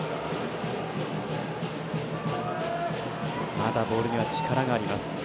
まだボールには力があります。